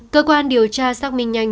cơ quan điều tra xác minh nhanh